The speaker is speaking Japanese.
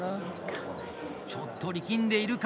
ちょっと力んでいるか。